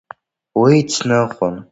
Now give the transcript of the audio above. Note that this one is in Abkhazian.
Уи ицныҟәон…